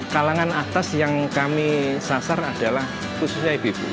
kalangan atas yang kami sasar adalah khususnya ibibu